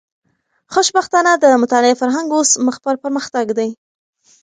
خوشبختانه، د مطالعې فرهنګ اوس مخ پر پرمختګ دی.